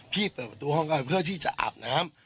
พี่เปิดประตูห้องเข้าไปเพื่อที่จะอาบน้ำ